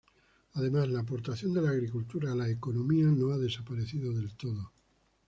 Además, la aportación de la agricultura a la economía no ha desaparecido del todo.